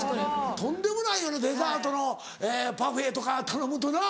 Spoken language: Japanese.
とんでもないよねデザートのパフェとか頼むとな。